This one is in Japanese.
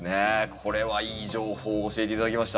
これはいい情報を教えて頂きました。